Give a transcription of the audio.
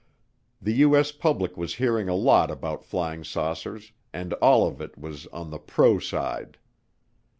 The U.S. public was hearing a lot about flying saucers and all of it was on the pro side.